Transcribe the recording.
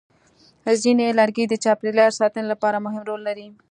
ځینې لرګي د چاپېریال ساتنې لپاره مهم رول لري.